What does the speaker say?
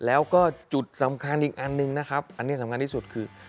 แล้วก็จุดสำคัญอีกอันหนึ่งนะครับอันนี้สำคัญที่สุดคือ